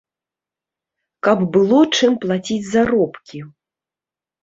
Каб было чым плаціць заробкі.